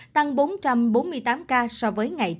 tăng bốn trăm bốn mươi tám ca so với ngày trước